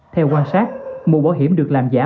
theo quan sát mũ bảo hiểm được làm giả